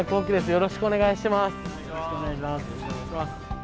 よろしくお願いします。